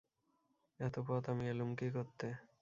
এত পথ আমি এলুম কী করতে?